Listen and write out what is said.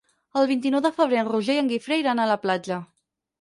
El vint-i-nou de febrer en Roger i en Guifré iran a la platja.